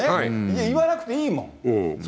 言わなくていいもん。